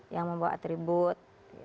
yang membawa atribut